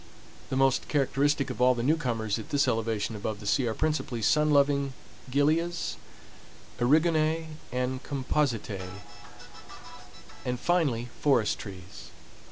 The most characteristic of the newcomers at this elevation above the sea are principally sun loving gilias, eriogonae, and compositae, and finally forest trees.